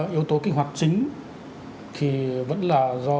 vâng cái yếu tố kích hoạt chính thì vẫn là dịch bệnh